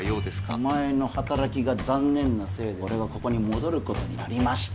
お前の働きが残念なせいで俺がここに戻ることになりました